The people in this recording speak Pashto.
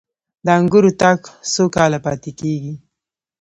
د انګورو تاک څو کاله پاتې کیږي؟